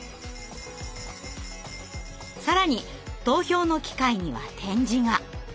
更に投票の機械には点字が。